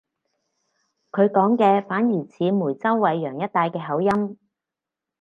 佢講嘅反而似梅州惠陽一帶嘅口音